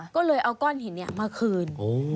ก็เลยเอาก้อนหินมาคืน